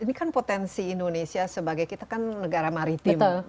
ini kan potensi indonesia sebagai kita kan negara maritim